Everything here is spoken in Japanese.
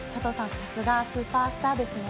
さすがスーパースターですね。